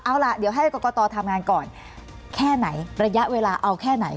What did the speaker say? เอาล่ะเดี๋ยวให้กรกตทำงานก่อนแค่ไหนระยะเวลาเอาแค่ไหน